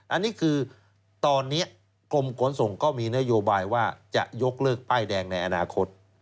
อันนี้คือตอนนี้กรมขนส่งก็มีนโยบายว่าจะยกเลิกป้ายแดงในอนาคต